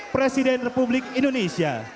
presiden republik indonesia